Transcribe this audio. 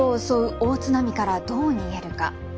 大津波からどう逃げるか。